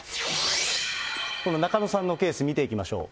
中野さんのケース、見ていきましょう。